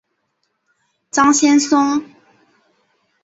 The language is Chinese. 张先松。